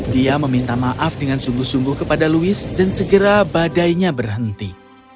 dia meminta maaf dengan sungguh sungguh kepada louis dan segera badainya berhenti